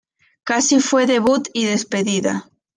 Casi fue debut y despedida.